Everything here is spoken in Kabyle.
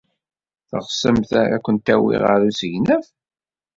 Teɣsemt ad kent-awiɣ ɣer usegnaf?